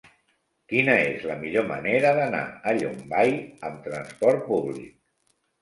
Quina és la millor manera d'anar a Llombai amb transport públic?